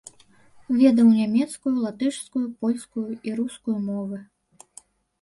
Ведаў нямецкую, латышскую, польскую і рускую мовы.